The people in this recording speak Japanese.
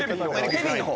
ケビンの方。